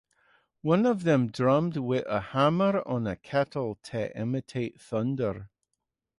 One of them drummed with a hammer on a kettle to imitate thunder.